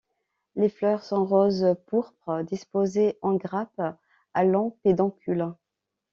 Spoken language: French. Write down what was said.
Les fleurs sont rose-pourpre, disposées en grappes, à longs pédoncules.